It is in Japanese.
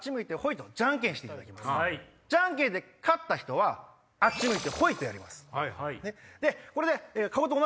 じゃんけんで勝った人はあっち向いてホイとやります。